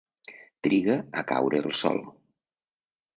Triga a caure el sol.